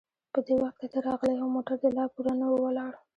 په دې وخت کې ته راغلې او موټر دې لا پوره نه و ولاړ.